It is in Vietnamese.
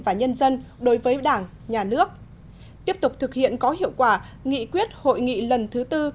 và nhân dân đối với đảng nhà nước tiếp tục thực hiện có hiệu quả nghị quyết hội nghị lần thứ tư